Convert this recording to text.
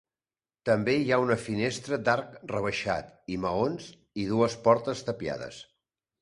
També hi ha una finestra d'arc rebaixat i maons i dues portes tapiades.